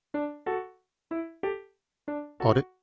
あれ？